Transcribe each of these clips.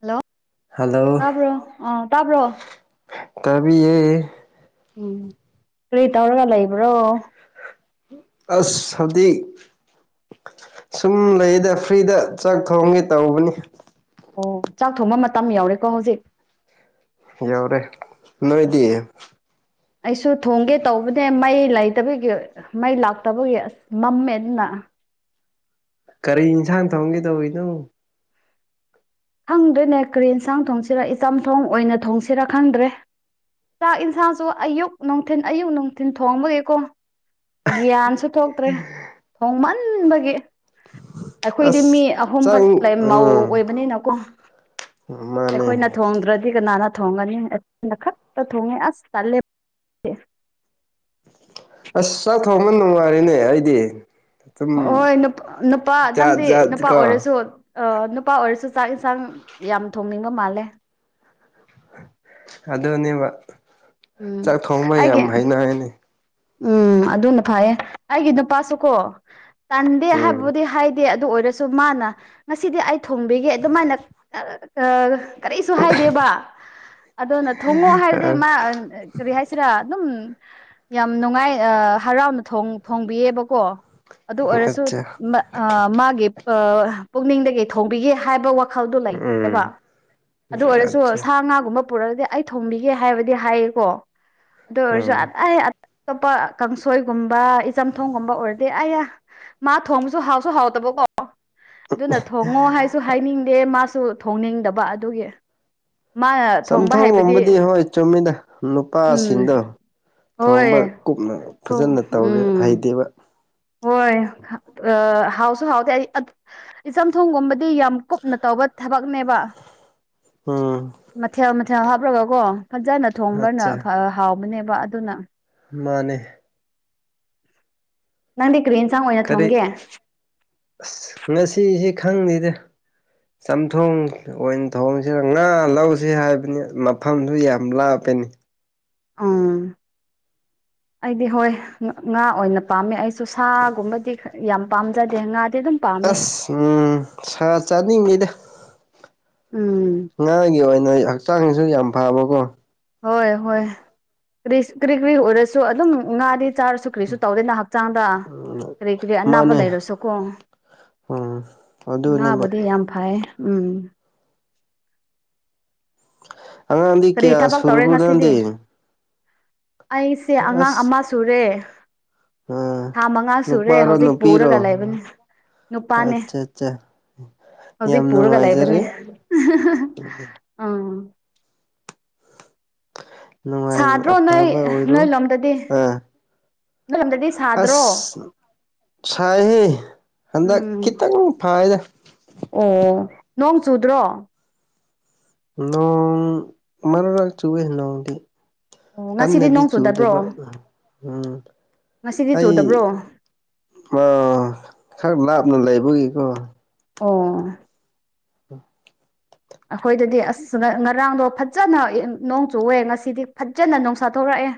Hello hello ꯇꯥꯕ꯭ꯔꯣ ꯑꯥ ꯇꯥꯕ꯭ꯔꯣ ꯇꯕꯤ ꯌꯦ ꯀꯔꯤ ꯇꯧꯔꯒ ꯂꯩꯕ꯭ꯔꯣ ꯑꯁ [unintelligible] ꯗꯤ ꯁꯨꯝ ꯂꯩꯗ ꯐ꯭ꯔꯤꯗ ꯆꯥꯛ ꯊꯣꯡꯒꯦ ꯇꯧꯕꯅꯤ ꯑꯣ ꯆꯥꯛ ꯊꯣꯡꯕ ꯃꯇꯝ ꯌꯥꯎꯔꯦꯀꯣ ꯍꯧꯖꯤꯛ ꯌꯥꯎꯔꯦ ꯅꯣꯏ ꯗꯤ ꯑꯁ ꯑꯩꯁꯨ ꯊꯣꯡꯒꯦ ꯇꯧꯕꯅꯦ ꯃꯩ ꯂꯩꯇꯕꯒꯤ ꯃꯩ ꯂꯥꯛꯇꯕꯒꯤ ꯃꯝꯃꯦ ꯑꯗꯨꯅ ꯀꯔꯤ ꯏꯟꯁꯥꯡ ꯊꯣꯡꯒꯦ ꯇꯧꯔꯤꯅꯣ ꯈꯪꯗ꯭ꯔꯦꯅꯦ ꯀꯔꯤ ꯏꯟꯁꯥꯡ ꯊꯣꯡꯁꯤꯔ ꯏꯆꯝꯊꯣꯡ ꯑꯣꯏꯅ ꯊꯣꯡꯁꯤꯔꯥ ꯈꯪꯗ꯭ꯔꯦ ꯆꯥꯛ ꯏꯟꯁꯥꯡꯁꯨ ꯑꯌꯨꯛ ꯅꯨꯡꯊꯤꯟ ꯑꯌꯨꯛ ꯅꯨꯡꯊꯤꯟ ꯊꯣꯡꯕꯒꯤꯀꯣ ꯒ꯭ꯌꯥꯟꯁꯨ ꯊꯣꯛꯇ꯭ꯔꯦ ꯊꯣꯡꯃꯟꯕꯒꯤ ꯑꯩꯈꯣꯏꯗꯤ ꯑꯁ ꯃꯤ ꯑꯍꯨꯝ ꯆꯥꯛ ꯈꯛꯇ ꯂꯩ ꯃꯧ ꯎꯝ ꯑꯣꯏꯕꯅꯤꯅ ꯃꯥꯅꯦ ꯑꯩꯈꯣꯏꯅ ꯊꯣꯡꯗ꯭ꯔꯗꯤ ꯀꯅꯥꯅ ꯊꯣꯡꯒꯅꯤ ꯈꯛꯇ ꯊꯣꯡꯉꯦ ꯑꯁ ꯇꯜꯂꯦ ꯑꯁ ꯆꯥꯛ ꯊꯣꯡꯕ ꯅꯨꯡꯉꯥꯏꯔꯤꯅꯦ ꯑꯩꯗꯤ ꯑꯗꯨꯝ ꯍꯣꯏ ꯅꯨꯄꯥ ꯖꯥꯠ ꯅꯪꯗꯤ ꯖꯥꯠ ꯅꯨꯄꯥ ꯀꯣ ꯑꯣꯏꯔꯁꯨ ꯑꯥ ꯅꯨꯄꯥ ꯑꯣꯏꯔꯁꯨ ꯆꯥꯛ ꯏꯟꯁꯥꯡ ꯌꯥꯝ ꯊꯣꯡꯅꯤꯡꯕ ꯃꯥꯜꯂꯦ ꯑꯗꯨꯅꯦꯕ ꯎꯝ ꯆꯥꯛ ꯊꯣꯡꯕ ꯌꯥꯝ ꯑꯩꯒꯤ ꯍꯩꯅꯅꯤ ꯎꯝ ꯑꯗꯨꯅ ꯐꯌꯦ ꯑꯩꯒꯤ ꯅꯨꯄꯥꯁꯨꯀꯣ ꯇꯟꯗꯦ ꯎꯝ ꯍꯥꯏꯕꯕꯨꯗꯤ ꯍꯥꯏꯗꯦ ꯑꯗꯨ ꯑꯣꯏꯔ ꯁꯨ ꯃꯥꯅ ꯉꯁꯤꯗꯤ ꯑꯩ ꯊꯣꯡꯕꯤꯒꯦ ꯑꯗꯨꯃꯥꯏꯅ ꯀꯔꯤꯁꯨ ꯍꯥꯏꯗꯦꯕ ꯑꯗꯨꯅ ꯊꯣꯡꯉꯣ ꯍꯥꯏꯔꯗꯤ ꯃꯥ ꯀꯔꯤ ꯍꯥꯏꯁꯤꯔꯥ ꯑꯗꯨꯝ ꯌꯥꯝ ꯅꯨꯡꯉꯥꯏ ꯍꯔꯥꯎꯅ ꯊꯣꯡꯕꯤꯌꯦꯕꯀꯣ ꯑꯗꯨ ꯑꯣꯏꯔꯁꯨ ꯑꯠꯆꯥ ꯃꯥꯒꯤ ꯄꯨꯛꯅꯤꯡꯗꯒꯤ ꯊꯣꯡꯕꯤꯒꯦ ꯍꯥꯏꯕ ꯋꯥ [unintelligible] ꯎꯝ ꯑꯗꯨ ꯑꯣꯏꯔꯁꯨ ꯑꯠꯆꯥ ꯁꯥ ꯉꯥꯒꯨꯝꯕ ꯄꯨꯔꯒꯗꯤ ꯑꯩ ꯊꯣꯝꯕꯤꯒꯦ ꯍꯥꯏꯕꯗꯤ ꯍꯥꯏꯌꯦꯀꯣ ꯑꯗꯨ ꯑꯣꯏꯔꯁꯨ ꯎꯝ ꯑꯇꯣꯞꯄ ꯀꯥꯡꯁꯣꯏꯒꯨꯝꯕ ꯏꯆꯝꯊꯣꯡꯒꯨꯝꯕ ꯑꯣꯏꯔꯗꯤ ꯑꯌꯥ ꯃꯥ ꯊꯣꯡꯕꯁꯨ ꯍꯥꯎꯁꯨ ꯍꯥꯎꯇꯕ ꯀꯣ ꯑꯣ ꯑꯗꯨꯅ ꯊꯣꯡꯉꯣ ꯍꯥꯏꯁꯨ ꯍꯥꯏꯅꯤꯡꯗꯦ ꯃꯥꯁꯨ ꯊꯣꯡꯅꯤꯡꯗꯕ ꯑꯗꯨꯒꯤ ꯃꯥꯅ ꯊꯣꯡꯕ ꯍꯩꯕꯗꯤ ꯆꯝꯊꯣꯡꯒꯕꯨꯗꯤ ꯍꯣꯏ ꯆꯨꯝꯃꯤꯗ ꯎꯝ ꯅꯨꯄꯥꯁꯤꯡꯗꯣ ꯊꯣꯡꯕ ꯍꯣꯏ ꯀꯨꯞꯅ ꯊꯣꯡ ꯐꯖꯅ ꯇꯧꯔꯦ ꯎꯝ ꯍꯩꯇꯦꯕ ꯍꯣꯏ ꯑꯥ ꯍꯥꯎꯁꯨ ꯍꯥꯎꯇꯦ ꯑꯩ ꯑꯗꯨ ꯏꯆꯝꯊꯣꯡꯒꯨꯝꯕꯗꯤ ꯌꯥꯝ ꯀꯨꯞꯅ ꯇꯧꯕ ꯊꯕꯛꯅꯦꯕ ꯎꯝ ꯃꯊꯦꯜ ꯃꯊꯦꯜ ꯍꯥꯞꯔꯒꯀꯣ ꯐꯖꯅ ꯊꯣꯡꯕꯅ ꯑꯠꯆꯥ ꯐ ꯍꯥꯎꯕꯅꯦꯕ ꯑꯗꯨꯅ ꯃꯥꯅꯦ ꯅꯪꯗꯤ ꯀꯔꯤ ꯏꯟꯁꯥꯡ ꯑꯣꯏꯅ ꯀꯔꯤ ꯊꯣꯡꯒꯦ ꯑꯁ ꯉꯁꯤꯁꯦ ꯈꯪꯗꯦꯗ ꯆꯝꯊꯣꯡ ꯑꯣꯏꯅ ꯊꯣꯡꯁꯦꯔꯥ ꯉꯥ ꯂꯧꯁꯤ ꯍꯥꯏꯕꯅꯤ ꯃꯐꯝꯗꯨ ꯌꯥꯝ ꯂꯥꯞꯄꯦꯅꯦ ꯎꯝ ꯑꯩꯗꯤ ꯍꯣꯏ ꯉꯥ ꯑꯣꯏꯅ ꯄꯥꯝꯃꯦ ꯑꯩ ꯆꯨꯁꯥꯒꯨꯝꯕꯗꯤ ꯌꯥꯝ ꯄꯥꯝꯖꯗꯦ ꯉꯥꯗꯤ ꯑꯗꯨꯝ ꯄꯥꯝꯃꯦ ꯑꯁ ꯎꯡ ꯁꯥ ꯆꯥꯅꯤꯡꯉꯤꯗꯥ ꯎꯝ ꯉꯥꯒꯤ ꯑꯣꯏꯅ ꯍꯛꯆꯥꯡꯁꯨ ꯌꯥꯝ ꯐꯕꯒꯣ ꯍꯣꯏ ꯍꯣꯏ ꯀꯔꯤ ꯀ꯭ꯔꯤ ꯀ꯭ꯔꯤ ꯑꯣꯏꯔꯁꯨ ꯑꯗꯨꯝ ꯉꯥꯗꯤ ꯆꯥꯔꯁꯨ ꯀꯔꯤꯁꯨ ꯇꯧꯗꯦꯅ ꯍꯛꯆꯥꯡꯗ ꯎꯝ ꯀꯔꯤ ꯀꯔꯤ ꯑꯅꯥꯕ ꯃꯥꯅꯦ ꯂꯩꯔꯁꯨꯀꯣ ꯎꯝ ꯑꯗꯨꯅꯦ ꯑꯗꯨ ꯌꯥꯝ ꯐꯩꯌꯦ ꯎꯝ ꯑꯉꯥꯡꯗꯤ ꯀꯔꯤ ꯀꯌꯥ ꯊꯕꯛ ꯇꯧꯔꯦ ꯁꯨꯔꯕ꯭ꯔꯣ ꯉꯁꯤꯗꯤ ꯅꯪꯗꯤ ꯑꯩꯁꯦ ꯑꯉꯥꯡ ꯑꯁ ꯑꯃ ꯁꯨꯔꯦ ꯑ ꯊꯥ ꯃꯉꯥ ꯁꯨꯔꯦ ꯅꯨꯄꯥꯔꯣ ꯍꯧꯖꯤꯛ ꯄꯨꯔꯒ ꯂꯩꯕꯅꯤ ꯑꯆꯥꯆꯥ ꯍꯧꯖꯤꯛ ꯄꯨꯔꯒ ꯂꯩꯕꯅꯤ ꯑꯥ ꯅꯨꯡꯉꯥꯏꯅ ꯁꯥꯗ꯭ꯔꯣ ꯅꯣꯏ ꯑꯐꯕ ꯑꯣꯏꯔꯣ ꯅꯣꯏ ꯂꯣꯝꯗꯗꯤ ꯑꯥ ꯅꯣꯏ ꯂꯣꯝꯗꯗꯤ ꯁꯥꯗ꯭ꯔꯣ ꯑꯁ ꯁꯥꯏꯍꯦ ꯍꯟꯗꯛ ꯎꯝ ꯈꯤꯇꯪ ꯐꯥꯏꯗꯥ ꯑꯣ ꯅꯣꯡ ꯆꯨꯗ꯭ꯔꯣ ꯅꯣꯡ ꯃꯅꯔꯛ ꯆꯨꯋꯦ ꯅꯣꯡꯗꯤ ꯑꯣ ꯉꯁꯤꯗꯤ ꯀꯟꯅꯗꯤ ꯅꯣꯡ ꯆꯨꯗꯕ꯭ꯔꯣ ꯆꯨꯗꯕ ꯎꯝ ꯉꯁꯤꯗꯤ ꯑꯩ ꯆꯨꯗꯕ꯭ꯔꯣ ꯑꯣ ꯈꯔ ꯂꯥꯞꯅ ꯂꯩꯕꯒꯤꯀꯣ ꯑꯣ ꯑꯩꯈꯣꯏꯗꯗꯤ ꯑꯁ ꯉꯔꯥꯡꯗꯣ ꯐꯖꯅ ꯅꯣꯡ ꯆꯨꯋꯦ ꯉꯁꯤꯗꯤ ꯐꯖꯅ ꯅꯨꯡꯁꯥꯊꯣꯔꯛꯑꯦ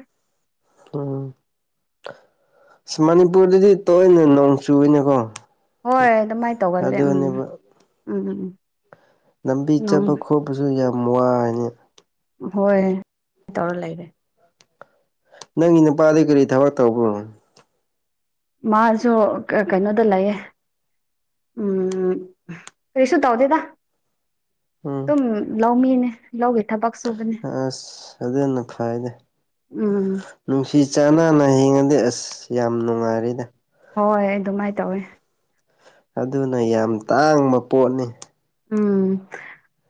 ꯎꯝ ꯃꯅꯤꯄꯨꯔꯗꯗꯤ ꯇꯣꯏꯅ ꯅꯣꯡ ꯆꯨꯋꯤꯅꯦꯀꯣ ꯍꯣꯏ ꯑꯗꯨꯃꯥꯏꯅ ꯇꯧꯒꯜꯂꯦ ꯎꯝ ꯎꯝ ꯎꯝ ꯎꯝ ꯂꯝꯕꯤ ꯆꯠꯄ ꯅꯣꯡ ꯈꯣꯠꯄꯁꯨ ꯌꯥꯝ ꯋꯥꯏꯅꯦ ꯍꯣꯏ ꯇꯧꯔ ꯂꯩꯔꯦ ꯅꯪꯒꯤ ꯅꯨꯄꯥꯗꯤ ꯀꯔꯤ ꯊꯕꯛ ꯇꯧꯕ꯭ꯔꯣ ꯃꯥꯁꯨ ꯑ ꯀꯩꯅꯣꯗ ꯂꯩꯌꯦ ꯎꯝ ꯀꯔꯤꯁꯨ ꯇꯧꯗꯦꯗ ꯎꯝ ꯗꯨꯝ ꯂꯧꯃꯤꯅꯦ ꯂꯧꯒꯤ ꯊꯕꯛ ꯁꯨꯕꯅꯦ ꯑꯁ ꯑꯗꯨꯅ ꯐꯩꯗ ꯎꯝ ꯅꯨꯡꯁꯤ ꯆꯥꯟꯅꯅ ꯍꯤꯡꯉꯗꯤ ꯑꯁ ꯌꯥꯝ ꯅꯨꯡꯉꯥꯏꯔꯤꯗꯥ ꯍꯣꯏ ꯑꯗꯨꯃꯥꯏ ꯇꯧꯋꯦ ꯑꯗꯨꯅ ꯌꯥꯝ ꯇꯥꯡꯕ ꯄꯣꯠꯅꯤ ꯎꯝ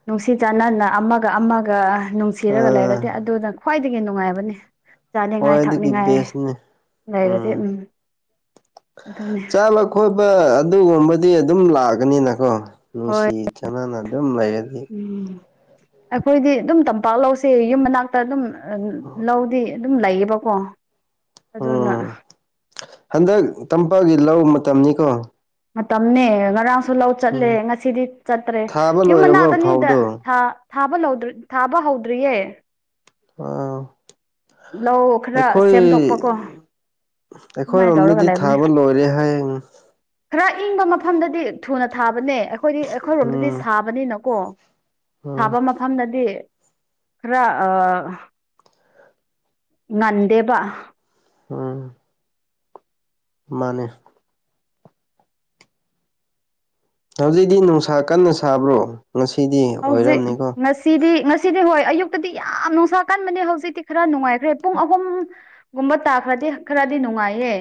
ꯅꯨꯡꯁꯤ ꯆꯥꯟꯅꯅ ꯑꯃꯒ ꯑꯃꯒ ꯅꯨꯡꯁꯤꯔꯒ ꯂꯩꯔꯗꯤ ꯑꯥ ꯑꯗꯨꯗ ꯈ꯭ꯋꯥꯏꯗꯒꯤ ꯅꯨꯡꯉꯥꯏꯕꯅꯦ ꯆꯥꯅꯤꯡꯉꯥꯏ ꯈ꯭ꯋꯥꯏꯗꯒꯤ ꯊꯛꯅꯤꯡꯉꯥꯏ ꯕꯦꯁꯅꯤ ꯂꯩꯔꯗꯤ ꯎꯝ ꯑꯗꯨꯅꯦ ꯈꯣꯏꯕꯥ ꯑꯗꯨꯒꯨꯝꯕꯗꯤ ꯑꯗꯨꯝ ꯂꯥꯛꯒꯅꯤꯅꯀꯣ ꯍꯣꯏ ꯅꯨꯡꯁꯤ ꯆꯥꯟꯅꯅ ꯑꯗꯨꯝ ꯂꯩꯔꯗꯤ ꯎꯝ ꯑꯩꯈꯣꯏꯗꯤ ꯑꯗꯨꯝ ꯇꯝꯄꯥꯛ ꯂꯧꯁꯦ ꯌꯨꯝ ꯃꯅꯥꯛꯇꯥ ꯑꯗꯨꯝ ꯑꯥ ꯂꯧꯗꯤ ꯑꯗꯨꯝ ꯂꯩꯌꯦꯕꯀꯣ ꯑꯗꯨꯅ ꯎꯝ ꯍꯟꯗꯛ ꯇꯝꯄꯥꯛꯒꯤ ꯂꯧ ꯃꯇꯝꯅꯤꯀꯣ ꯃꯇꯝꯅꯦ ꯉꯔꯥꯡꯁꯨ ꯂꯧ ꯆꯠꯂꯦ ꯎꯝ ꯉꯁꯤꯗꯤ ꯆꯠꯇ꯭ꯔꯦ ꯊꯥꯕ ꯌꯨꯝ ꯂꯣꯏꯔꯕ꯭ꯔꯣ ꯃꯅꯥꯛ ꯑꯅꯤꯗ ꯐꯧꯗꯣ ꯊꯥ ꯊꯥꯕ ꯂꯧꯗꯔꯤ ꯊꯥꯕ ꯍꯧꯗ꯭ꯔꯤꯌꯦ ꯑꯥꯑꯥꯎ ꯂꯧ ꯈꯔ ꯁꯦꯝꯗꯣꯛꯄꯀꯣ ꯑꯗꯨꯃꯥꯏꯅ ꯇꯧꯔꯒ ꯑꯩꯈꯣꯏꯔꯣꯝꯗꯗꯤ ꯂꯩꯕꯅꯦ ꯊꯥꯕ ꯂꯣꯏꯔꯦ ꯍꯥꯌꯦꯡ ꯈꯔ ꯏꯪꯕ ꯃꯐꯝꯗꯗꯤ ꯊꯨꯅ ꯊꯥꯕꯅꯦ ꯑꯩꯈꯣꯏꯗꯤ ꯑꯩꯈꯣꯏꯔꯣꯝꯗꯗꯤ ꯎꯝ ꯁꯥꯕꯅꯤꯅꯀꯣ ꯎꯝ ꯁꯥꯕ ꯃꯐꯝꯗꯗꯤ ꯈꯔ ꯑꯥ ꯉꯟꯗꯦꯕ ꯎꯝ ꯃꯥꯅꯦ ꯍꯧꯖꯤꯛꯗꯤ ꯅꯨꯡꯁꯥ ꯀꯟꯅ ꯁꯥꯕ꯭ꯔꯣ ꯉꯁꯤꯗꯤ ꯑꯣꯏꯔꯝꯅꯤꯀꯣ ꯁꯤꯗꯤ ꯉꯁꯤꯗꯤ ꯍꯣꯏ ꯑꯌꯨꯛꯇꯥꯗꯤ ꯌꯥꯝ ꯅꯨꯡꯁꯥ ꯀꯟꯕꯅꯦ ꯍꯧꯖꯤꯛꯇꯤ ꯈꯔ ꯅꯨꯡꯉꯥꯏꯈ꯭ꯔꯦ ꯄꯨꯡ ꯑꯍꯨꯝ ꯒꯨꯝꯕ ꯇꯥꯈ꯭ꯔꯥꯗꯤ ꯈꯔꯗꯤ ꯅꯨꯡꯉꯥꯏꯌꯦ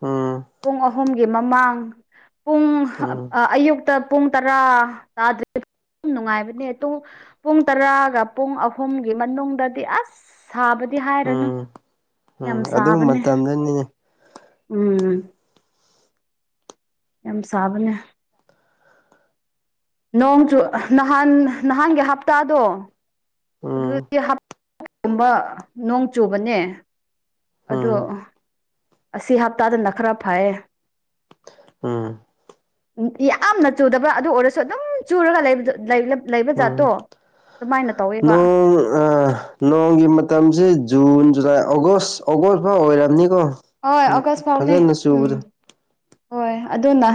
ꯎꯝ ꯄꯨꯡ ꯑꯍꯨꯝꯒꯤ ꯃꯃꯥꯡ ꯄꯨꯡ ꯎꯝ ꯑꯥ ꯑꯌꯨꯛ ꯇꯥ ꯄꯨꯡ ꯇꯔꯥ ꯇꯥꯗꯔꯤ ꯅꯨꯡꯉꯥꯏꯕꯅꯦ ꯑꯗꯨ ꯄꯨꯡ ꯇꯔꯥꯒ ꯄꯨꯡ ꯑꯍꯨꯝꯒꯤ ꯃꯅꯨꯡꯗꯗꯤ ꯑꯁ ꯁꯥꯕꯗꯤ ꯍꯥꯏꯔꯅꯨ ꯎꯝ ꯎꯝ ꯌꯥꯝ ꯑꯗꯨ ꯁꯥꯕꯅꯦ ꯃꯇꯝꯗꯅꯤꯅꯦ ꯎꯝ ꯌꯥꯝ ꯁꯥꯕꯅꯦ ꯅꯣꯡꯆꯨ ꯅꯍꯥꯟ ꯅꯍꯥꯟꯒꯤ ꯍꯞꯇꯥꯗꯣ ꯎꯝ ꯑꯗꯨꯗꯗꯤ ꯍꯞ ꯀꯨꯝꯕ ꯅꯣꯡ ꯆꯨꯕꯅꯦ ꯎꯝ ꯑꯗꯣ ꯑꯁꯤ ꯍꯞꯇꯥꯗꯅ ꯈꯔ ꯐꯩꯌꯦ ꯎꯝ ꯌꯥꯝꯅ ꯆꯨꯗꯕ꯭ꯔꯥ ꯑꯗꯨ ꯑꯣꯏꯔꯁꯨ ꯑꯗꯨꯝ ꯆꯨꯔꯒ ꯂꯩꯕꯗꯣ ꯂꯩ ꯂꯝ ꯎꯝ ꯇꯧꯋꯦꯕ ꯅꯣꯡ ꯑꯥ ꯅꯣꯡꯒꯤ ꯃꯇꯝꯁꯤ ꯖꯨꯟ ꯖꯨꯂꯥꯏ ꯑꯣꯒꯁ ꯑꯣꯒꯁ ꯐꯥꯎ ꯑꯣꯏꯔꯝꯅꯤꯀꯣ ꯍꯣꯏ ꯎꯝ ꯑꯣꯒꯁ ꯐꯥꯎꯅꯦ ꯐꯖꯅ ꯎꯝ ꯆꯨꯕꯗꯣ ꯍꯣꯏ ꯑꯗꯨꯅ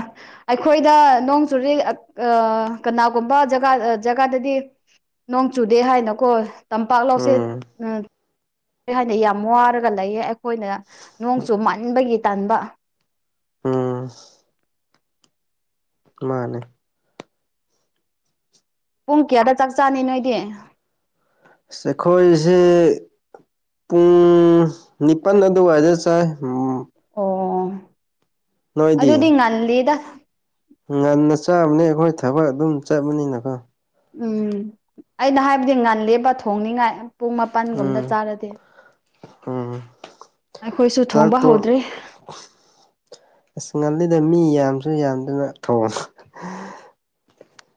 ꯑꯩꯈꯣꯏꯗ ꯅꯣꯡ ꯆꯨꯔꯤ ꯑꯥ ꯀꯅꯥꯒꯨꯝꯕ ꯖꯒꯥ ꯖꯒꯥꯗꯗꯤ ꯅꯣꯡ ꯆꯨꯗꯦ ꯍꯥꯏꯅꯀꯣ ꯇꯝꯄꯥꯛ ꯂꯧꯁꯦꯠ ꯎꯝ ꯎꯝ ꯀꯩ ꯍꯥꯏꯅ ꯌꯥꯝ ꯋꯥꯔꯒ ꯂꯩꯌꯦ ꯑꯩꯈꯣꯏꯅ ꯅꯣꯡ ꯆꯨꯃꯟꯕꯒꯤ ꯇꯥꯟꯕ ꯎꯝ ꯃꯥꯅꯦ ꯄꯨꯡ ꯀꯌꯥꯗ ꯆꯥꯛ ꯆꯥꯅꯤ ꯅꯣꯏꯗꯤ ꯑꯁ ꯑꯩꯈꯣꯏꯖꯤ ꯄꯨꯡ ꯅꯤꯄꯟ ꯑꯗꯨꯋꯥꯏꯗ ꯆꯥꯏ ꯎꯝ ꯑꯣ ꯅꯣꯏꯗꯤ ꯑꯗꯨꯗꯤ ꯉꯜꯂꯤꯗ ꯉꯟꯅ ꯆꯥꯕꯅꯤ ꯑꯩꯈꯣꯏ ꯊꯕꯛ ꯑꯗꯨꯝ ꯆꯠꯕꯅꯤꯅꯀꯣ ꯎꯝ ꯑꯩꯅ ꯍꯥꯏꯕꯗꯤ ꯉꯜꯂꯦꯕ ꯊꯣꯡꯅꯤꯡꯉꯥꯏ ꯄꯨꯡ ꯃꯥꯄꯟꯒꯨꯝꯕꯗ ꯎꯝ ꯆꯥꯔꯗꯤ ꯎꯝ ꯑꯩꯈꯣꯏꯁꯨ ꯆꯥꯛ ꯊꯣꯡꯕ ꯇꯣꯛ ꯍꯧꯗ꯭ꯔꯤ ꯑꯁ ꯉꯜꯂꯤꯗ ꯃꯤ ꯌꯥꯝꯁꯨ ꯌꯥꯝꯗꯅ ꯊꯣꯡ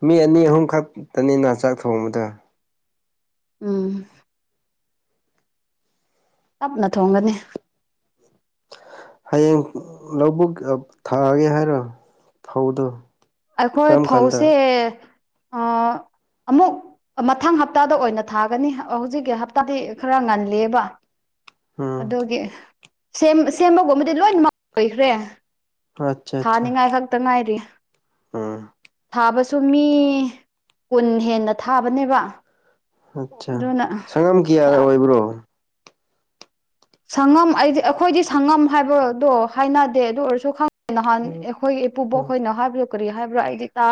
ꯃꯤ ꯑꯅꯤ ꯑꯍꯨꯝ ꯈꯛꯇꯅꯤꯅ ꯆꯥꯛ ꯊꯣꯡꯕꯗ ꯎꯝ ꯇꯞꯅ ꯊꯣꯡꯒꯅꯤ ꯍꯌꯦꯡ ꯂꯧꯕꯨꯛ ꯊꯥꯒꯦ ꯍꯥꯏꯔꯣ ꯐꯧꯗꯣ ꯑꯩꯈꯣꯏ ꯀꯔꯝ ꯀꯥꯟꯗ ꯐꯧꯁꯦ ꯑꯥ ꯑꯃꯨꯛ ꯃꯊꯪ ꯍꯞꯇꯥꯗ ꯑꯣꯏꯅ ꯊꯥꯒꯅꯤ ꯍꯧꯖꯤꯛꯀꯤ ꯍꯞꯇꯥꯗꯤ ꯈꯔ ꯉꯜꯂꯤꯕ ꯎꯝ ꯑꯗꯨꯒꯤ ꯁꯦꯝ ꯁꯦꯝꯕꯒꯨꯝꯕꯗꯤ ꯂꯣꯏꯃꯛ ꯂꯣꯏꯈ꯭ꯔꯦ ꯑ ꯆꯥ ꯆꯥ ꯉꯥꯏꯍꯥꯛꯇꯪ ꯉꯥꯏꯔꯤ ꯎꯝ ꯊꯥꯕꯁꯨ ꯃꯤ ꯀꯨꯟ ꯍꯦꯟꯅ ꯊꯥꯕꯅꯦꯕ ꯑꯠꯆꯥ ꯑꯗꯨꯅ ꯁꯪꯉꯝ ꯀꯌꯥ ꯑꯣꯏꯕ꯭ꯔꯣ ꯁꯪꯉꯝ ꯑꯩꯗꯤ ꯑꯩꯈꯣꯏꯗꯤ ꯁꯪꯉꯝ ꯍꯥꯏꯕꯗꯣ ꯍꯥꯏꯅꯗꯦ ꯑꯗꯨ ꯑꯣꯏꯔꯁꯨ ꯈꯪ ꯅꯍꯥꯟ ꯎꯝ ꯑꯩꯈꯣꯏꯒꯤ ꯏꯄꯨꯕꯣꯛ ꯎꯝ ꯈꯣꯏꯅ ꯍꯥꯏꯕ ꯀꯔꯤ ꯍꯥꯏꯕ꯭ꯔꯥ ꯑꯩꯗꯤ ꯇꯥ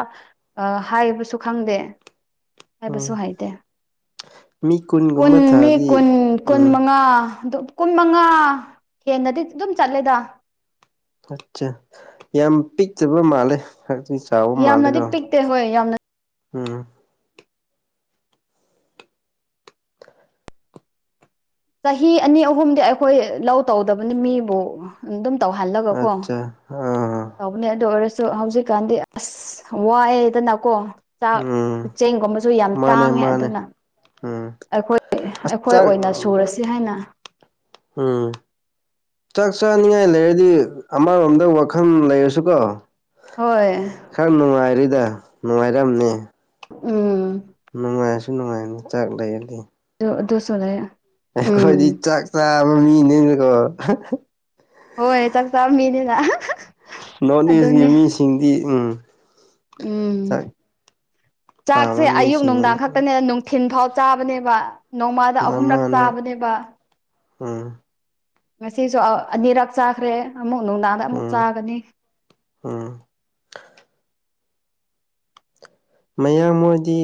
ꯍꯥꯏꯕꯁꯨ ꯈꯪꯗꯦ ꯎꯝ ꯍꯥꯏꯕꯁꯨ ꯍꯩꯇꯦ ꯃꯤ ꯀꯨꯟ ꯀꯨꯟꯒꯨꯝꯕ ꯃꯤ ꯊꯥꯔꯗꯤ ꯀꯨꯟ ꯀꯨꯟ ꯎꯝ ꯃꯉꯥ ꯑꯗꯨ ꯀꯨꯟ ꯃꯉꯥ ꯍꯦꯟꯅꯗꯤ ꯑꯗꯨꯝ ꯆꯠꯂꯦꯗ ꯑꯠꯆꯥ ꯌꯥꯝ ꯄꯤꯛꯇꯕ ꯃꯥꯜꯂꯦ ꯈꯔꯗꯤ ꯆꯥꯎꯕ ꯌꯥꯝꯅꯗꯤ ꯃꯥꯜꯂꯦꯀꯣ ꯄꯤꯛꯇꯦ ꯍꯣꯏ ꯌꯥꯝꯅ ꯎꯝ ꯆꯍꯤ ꯑꯅꯤ ꯑꯍꯨꯝꯗꯤ ꯑꯩꯈꯣꯏ ꯂꯧ ꯇꯧꯗꯕꯅꯤ ꯃꯤꯕꯨ ꯑꯗꯨꯝ ꯇꯧꯍꯜꯂꯒꯀꯣ ꯑꯠꯆꯥ ꯑꯥ ꯇꯧ ꯅꯦ ꯑꯗꯨ ꯑꯣꯏꯔꯁꯨ ꯍꯧꯖꯤꯛꯀꯥꯟꯗꯤ ꯑꯁ ꯋꯥꯏꯗꯅꯀꯣ ꯆꯥꯛ ꯎꯝ ꯆꯦꯡꯒꯨꯝꯕꯁꯨ ꯌꯥꯝ ꯃꯥꯅꯦ ꯇꯥꯡꯉꯦ ꯃꯥꯅꯦ ꯑꯗꯨꯅ ꯎꯝ ꯑꯩꯈꯣꯏ ꯑꯁ ꯑꯩꯈꯣꯏ ꯆꯥꯛ ꯑꯣꯏꯅ ꯁꯨꯔꯁꯤ ꯍꯥꯏꯅ ꯎꯝ ꯆꯥꯛ ꯆꯥꯅꯤꯉꯥꯏ ꯂꯩꯔꯗꯤ ꯑꯃꯔꯣꯝꯗ ꯋꯥꯈꯟ ꯂꯩꯔꯁꯨꯀꯣ ꯍꯣꯏ ꯈꯔ ꯅꯨꯡꯉꯥꯏꯔꯤꯗ ꯅꯨꯡꯉꯥꯏꯔꯝꯅꯤ ꯎꯝ ꯅꯨꯡꯉꯥꯏꯁꯨ ꯅꯨꯡꯉꯥꯏꯕꯅꯤ ꯆꯥꯛ ꯂꯩꯔꯗꯤ ꯑꯗꯣ ꯑꯗꯨꯁꯨ ꯂꯩꯌꯦ ꯑꯩꯈꯣꯏꯗꯤ ꯆꯥꯛ ꯆꯥꯕ ꯃꯤꯅꯤꯅꯀꯣ ꯍꯣꯏ ꯆꯥꯛ ꯆꯥꯕ ꯃꯤꯅꯤꯅ ꯅꯣꯔꯠ-ꯏꯁꯒꯤ ꯑꯗꯨꯅꯦ ꯃꯤꯁꯤꯡꯗꯤ ꯎꯝ ꯎꯝ ꯆꯥꯛ ꯆꯥꯛꯁꯦ ꯄꯥꯝꯕ ꯑꯌꯨꯛ ꯃꯤꯁꯤꯡꯅꯤꯅ ꯅꯨꯡꯗꯥꯡ ꯈꯛꯇꯅꯦ ꯅꯨꯡ ꯊꯤꯟ ꯐꯥꯎ ꯆꯥꯕꯅꯦꯕ ꯅꯣꯡꯃꯥꯗ ꯑꯍꯨꯝꯔꯛ ꯃꯥꯅꯦ ꯆꯥꯕꯅꯦꯕ ꯎꯝ ꯉꯁꯤꯁꯨ ꯑꯅꯤꯔꯛ ꯆꯥꯈ꯭ꯔꯦ ꯑꯃꯨꯛ ꯅꯨꯡꯗꯥꯡꯗ ꯑꯃꯨꯛ ꯎꯝ ꯆꯥꯒꯅꯤ ꯎꯝ ꯃꯌꯥꯡ ꯃꯣꯏꯗꯤ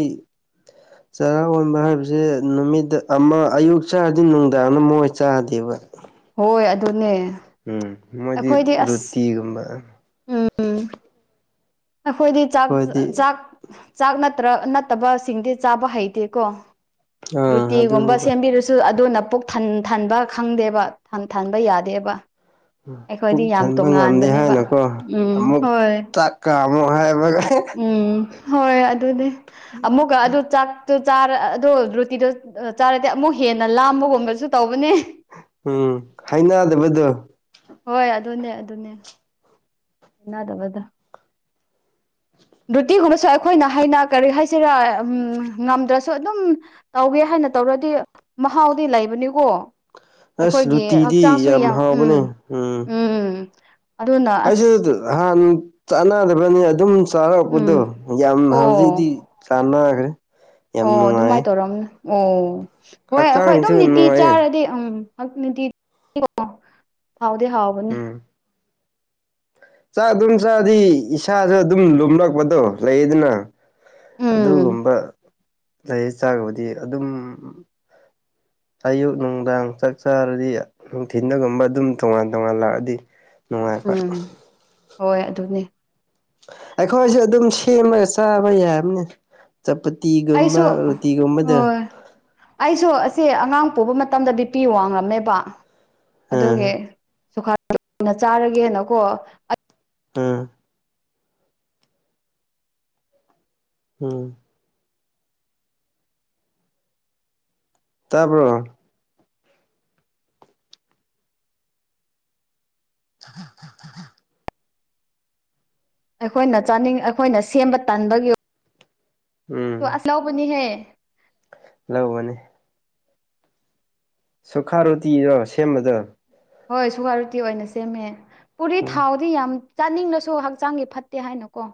[inaudible] ꯆꯔꯥ ꯋꯥꯟꯕ ꯍꯥꯏꯕꯁꯦ ꯅꯨꯃꯤꯠ ꯑꯃ ꯑꯌꯨꯛ ꯆꯥꯔꯗꯤ ꯅꯨꯡꯗꯥꯡꯗ ꯃꯣꯏ ꯆꯥꯗꯦꯕ ꯍꯣꯏ ꯑꯗꯨꯅꯦ ꯎꯝ ꯃꯣꯏꯗꯤ ꯑꯩꯈꯣꯏꯗꯤ ꯑꯁ ꯔꯨꯇꯤꯒꯨꯝꯕ ꯎꯝ ꯑꯩꯈꯣꯏꯗꯤ ꯆꯥꯛ ꯑꯩꯈꯣꯏꯗꯤ ꯆꯥꯛ ꯆꯥꯛ ꯅꯠꯇ꯭ꯔ ꯅꯠꯇꯕꯁꯤꯡꯗꯤ ꯆꯥꯕ ꯍꯩꯇꯦꯀꯣ ꯑꯥ ꯔꯨꯇꯤꯒꯨꯝꯕ ꯑꯗꯨꯅꯦꯕ ꯁꯦꯝꯕꯤꯔꯁꯨ ꯑꯗꯨꯅ ꯄꯨꯛ ꯊꯟꯊꯟꯕ ꯈꯪꯗꯦꯕ ꯊꯟꯊꯟꯕ ꯌꯥꯗꯦꯕ ꯄꯨꯛ ꯑꯩꯈꯣꯏꯗꯤ ꯌꯥꯝ ꯊꯟꯕ ꯉꯝꯗꯦ ꯇꯣꯉꯥꯟꯕꯅꯦꯕ ꯍꯥꯏꯅꯀꯣ ꯎꯝ ꯑꯃꯨꯛ ꯍꯣꯏ ꯆꯥꯛꯀꯥꯝꯃꯣ ꯍꯥꯏꯕꯒ ꯎꯝ ꯍꯣꯏ ꯑꯗꯨꯅꯦ ꯑꯃꯨꯛꯀ ꯑꯗꯨ ꯆꯥꯛ ꯥꯇꯨ ꯆꯥꯔ ꯑꯗꯣ ꯔꯨꯇꯤꯗꯣ ꯆꯥꯔꯗꯤ ꯑꯃꯨꯛ ꯍꯦꯟꯅ ꯂꯥꯝꯕꯒꯨꯝꯕꯁꯨ ꯇꯧꯕꯅꯦ꯫ ꯎꯝ ꯍꯥꯏꯅꯗꯕꯗꯣ꯫ ꯍꯣꯏ ꯑꯗꯨꯅꯦ ꯑꯗꯨꯅꯦ꯫ ꯍꯩꯅꯗꯕꯗꯣ꯫ ꯔꯨꯇꯤꯒꯨꯝꯕꯁꯨ ꯑꯩꯈꯣꯏꯅ ꯍꯩꯅ ꯀꯔꯤ ꯍꯥꯏꯁꯤꯔꯥ ꯎꯝ ꯉꯝꯗ꯭ꯔꯁꯨ ꯑꯗꯨꯝ ꯇꯧꯒꯦ ꯍꯥꯏꯅ ꯇꯧꯔꯗꯤ ꯃꯍꯥꯎꯗꯤ ꯂꯩꯕꯅꯤꯀꯣ꯫ ꯑꯁ ꯑꯩꯈꯣꯏꯒꯤ ꯂꯨꯇꯤꯗꯤ ꯍꯛꯆꯥꯡꯁꯨ ꯌꯥꯝ ꯎꯝ ꯍꯥꯎꯕꯅꯦ ꯎꯝ ꯎꯝ꯫ ꯑꯩꯁꯨ ꯍꯥꯟ ꯆꯥꯟꯅꯗꯕꯅꯤ ꯑꯗꯨꯝ ꯎꯝ ꯆꯥꯔꯛꯄꯗꯣ ꯌꯥꯝ ꯑꯣ ꯍꯧꯖꯤꯛꯇꯤ ꯆꯥꯟꯅꯒꯔꯦ꯫ ꯑꯣ ꯑꯗꯨꯃꯥꯏꯅ ꯇꯧꯔꯝꯅꯤ ꯑꯣ ꯍꯣꯏ ꯑꯩꯈꯣꯏ ꯑꯗꯨꯝ ꯍꯛꯆꯥꯡꯁꯨ ꯅꯤꯇꯤ ꯅꯨꯡꯉꯥꯏꯌꯦ ꯆꯥꯔꯗꯤ ꯎꯝ [unintelligible] ꯍꯥꯎꯗꯤ ꯍꯥꯎꯕꯅꯦ꯫ ꯎꯝ ꯆꯥꯛ ꯑꯗꯨꯝ ꯆꯥꯗꯤ ꯏꯁꯥꯁꯨ ꯑꯗꯨꯝ ꯂꯨꯝꯂꯛꯄꯗꯣ ꯂꯩꯌꯦꯗꯅ꯫ ꯎꯝ ꯑꯗꯨꯒꯨꯝꯕ ꯂꯩ ꯆꯥꯕꯗꯤ ꯑꯗꯨꯝ꯫ ꯑꯌꯨꯛ ꯅꯨꯡꯗꯥꯡ ꯆꯥꯛ ꯆꯥꯔꯗꯤ ꯅꯨꯡꯊꯤꯗꯒꯨꯝꯕ ꯑꯗꯨꯝ ꯇꯣꯉꯥꯟ ꯇꯣꯉꯥꯟ ꯂꯥꯛꯑꯗꯤ꯫ ꯅꯨꯡꯉꯥꯏꯕ ꯎꯝ ꯍꯣꯏ ꯑꯗꯨꯅꯦ꯫ ꯑꯩꯈꯣꯏꯁꯨ ꯑꯗꯨꯝ ꯁꯦꯝꯔꯒ ꯆꯥꯕ ꯌꯥꯕꯅꯦꯗ꯫ ꯑꯩꯁꯨ ꯆꯄꯇꯤꯒꯨꯝꯕ ꯔꯣꯇꯤꯒꯨꯝꯕꯗ ꯍꯣꯏ ꯑꯩꯁꯨ ꯑꯁꯦ ꯑꯉꯥꯡ ꯄꯨꯕ ꯃꯇꯝꯗ ꯕꯤꯄꯤ ꯋꯥꯡꯂꯝꯃꯦꯕ ꯑꯗꯨꯒꯤ ꯑꯥ ꯁꯨꯈꯥꯅ ꯆꯥꯔꯒꯦꯅꯀꯣ ꯎꯝ ꯎꯝ ꯇꯥꯔꯕꯣ ꯍ [inaudible] ꯑꯩꯈꯣꯏꯅ ꯆꯥꯅꯤꯡ ꯑꯩꯈꯣꯏꯅ ꯁꯦꯝꯕ ꯇꯥꯟꯕꯒꯤ ꯎꯝ ꯑꯁ ꯂꯧꯕꯅꯤꯍꯦ ꯂꯧꯕꯅꯤ ꯁꯨꯈꯥ ꯔꯣꯇꯤꯗꯣ ꯁꯦꯝꯕꯗꯣ ꯍꯣꯏ ꯁꯨꯒꯥꯔꯨꯇꯤ ꯑꯣꯏꯅ ꯁꯦꯝꯃꯦ ꯄꯨꯔꯤ ꯎꯝ ꯊꯥꯎ ꯌꯥꯝ ꯆꯥꯅꯤꯡꯅꯁꯨ ꯍꯛꯆꯥꯡꯒꯤ ꯐꯠꯇꯦ ꯍꯥꯏꯅꯀꯣ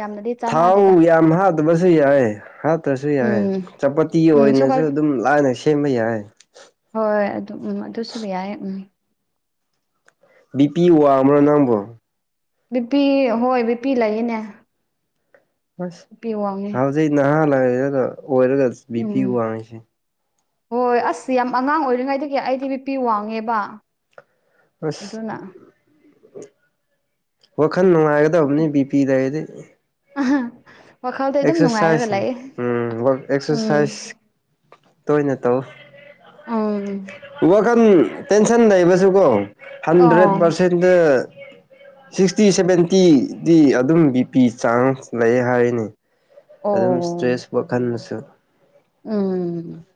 ꯌꯥꯝꯅꯗꯤ ꯆꯥꯟꯅꯗꯦꯗ ꯊꯥꯎ ꯌꯥꯝ ꯍꯥꯞꯇꯥꯕꯁꯨ ꯌꯥꯏ ꯍꯥꯠ ꯇ꯭ꯔꯁꯨ ꯌꯥꯏ ꯎꯝ ꯆꯄꯇꯤ ꯎꯝ ꯑꯣꯏꯅꯁꯨ ꯁꯨꯒꯔ ꯑꯗꯨꯝ ꯂꯥꯏꯅ ꯁꯦꯝꯕ ꯌꯥꯏ ꯍꯣꯏ ꯑꯗꯨꯝ ꯎꯝ ꯑꯗꯨꯁꯨ ꯌꯥꯏ ꯎꯝ ꯕꯤꯄꯤ ꯋꯥꯡꯃꯔꯣ ꯅꯪꯕꯣ ꯕꯤꯄꯤ ꯍꯣꯏ ꯕꯤꯄꯤ ꯂꯩꯌꯦꯅꯦ ꯑꯁ ꯕꯤꯄꯤ ꯋꯥꯡꯉꯦ ꯍꯧꯖꯤꯛ ꯅꯍꯥꯟꯋꯥꯏꯔꯒ ꯑꯣꯏꯔꯒ ꯕꯤ ꯄꯤ ꯎꯝ ꯋꯥꯡꯉꯁꯤ ꯍꯣꯏ ꯑꯁ ꯌꯥꯝ ꯑꯉꯥꯡ ꯑꯣꯏꯔꯤꯉꯩꯗꯒꯤ ꯑꯩꯗꯤ ꯕꯤꯄꯤ ꯋꯥꯡꯉꯦꯕ ꯑꯁ ꯑꯗꯨꯅ ꯋꯥꯈꯜ ꯅꯨꯡꯉꯥꯏꯒ ꯇꯥꯝꯅꯤ ꯕꯤ ꯄꯤ ꯂꯩꯔꯗꯤ ꯑ ꯑꯦꯛꯁꯔꯁꯥꯏꯁ ꯋ ꯎꯝ ꯑꯦꯛꯁꯔꯁꯥꯏꯁ ꯇꯣꯏꯅ ꯇꯧ ꯎꯝ ꯋꯥꯈꯜ ꯇꯦꯟꯁꯟ ꯂꯩꯕꯁꯨꯀꯣ ꯍꯟꯗ꯭ꯔꯦꯠ ꯑꯣ ꯄꯥꯔꯁꯦꯟꯗ ꯁꯤꯛꯁꯇꯤ ꯁꯚꯦꯟꯇꯤꯗꯤ ꯑꯗꯨꯝ ꯕꯤ ꯄꯤ ꯆꯥꯡꯁ ꯂꯩ ꯍꯥꯏꯌꯦꯅꯦ ꯑꯗꯨꯝ ꯑꯣ ꯁꯇ꯭ꯔꯦꯁ ꯋꯥꯈꯟꯗꯁꯨ ꯎꯝ